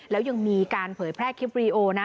แล้วยังมีการเผยแพร่คลิปวีดีโอนะ